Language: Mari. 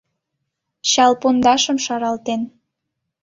Чал пондашым шаралтен